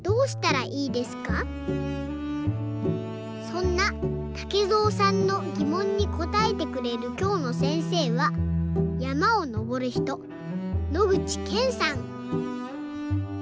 そんなたけぞうさんのぎもんにこたえてくれるきょうのせんせいはやまをのぼるひと野口健さん。